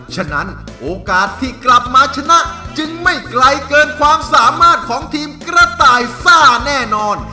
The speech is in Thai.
ฉะนั้นโอกาสที่กลับมาชนะจึงไม่ไกลเกินความสามารถของทีมกระต่ายซ่าแน่นอน